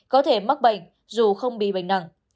có thể mắc bệnh dù không bị bệnh nặng